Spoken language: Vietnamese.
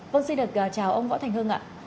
vâng xin được chào ông võ thành hưng ạ